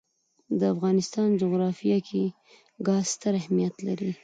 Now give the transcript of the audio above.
د افغانستان جغرافیه کې ګاز ستر اهمیت لري.